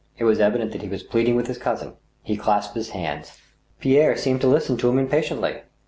It was evident that he was pleading with his cousin. He clasped his hands. Pierre seemed to listen to him impatiently.